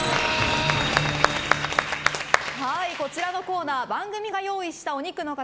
こちらのコーナー番組が用意したお肉の塊